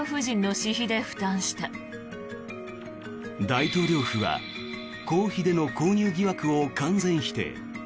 大統領府は公費での購入疑惑を完全否定。